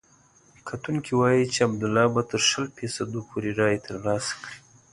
کتونکي وايي چې عبدالله به تر شلو فیصدو پورې رایې ترلاسه کړي.